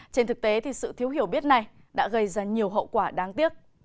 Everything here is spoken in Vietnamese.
trên thực tế thì sự thiếu hiểu biết này đã gây ra nhiều hậu quả đáng tiếc